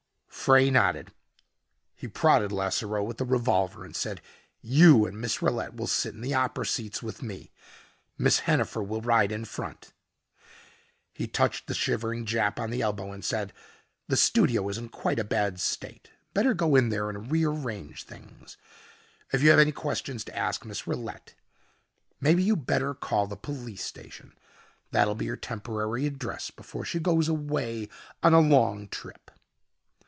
Frey nodded. He prodded Lasseroe with the revolver and said, "You and Miss Rillette will sit in the opera seats with me. Miss Hennifer will ride in front." He touched the shivering Jap on the elbow and said, "The studio is in quite a bad state. Better go in there and rearrange things. If you have any questions to ask Miss Rillette, maybe you better call the police station. That'll be her temporary address before she goes away on a long trip."